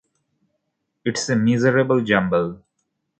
It's a miserable jumble.